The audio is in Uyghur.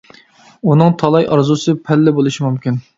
ئۇنىڭ تالاي ئارزۇسى پەللە بولۇشى مۇمكىن.